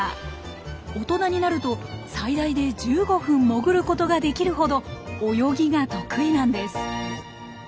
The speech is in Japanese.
大人になると最大で１５分潜ることができるほど泳ぎが得意なんです。